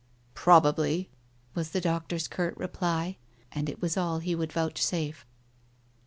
"Probably," was the doctor's curt reply, and it was all he would vouchsafe.